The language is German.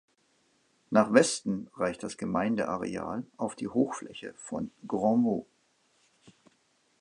Nach Westen reicht das Gemeindeareal auf die Hochfläche von Grandvaux.